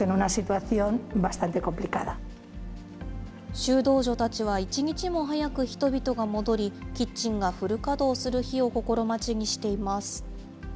修道女たちは一日も早く人々が戻り、キッチンがフル稼働する日を心待ちにしています。